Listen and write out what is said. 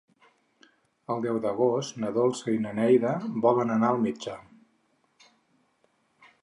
El deu d'agost na Dolça i na Neida volen anar al metge.